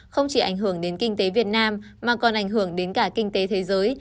không chỉ ảnh hưởng đến kinh tế việt nam mà còn ảnh hưởng đến cả kinh tế thế giới